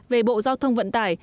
về bộ giao thông vận tải